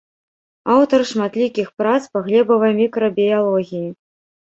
Аўтар шматлікіх прац па глебавай мікрабіялогіі.